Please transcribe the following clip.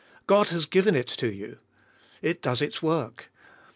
God has g iven it to you. It does its work.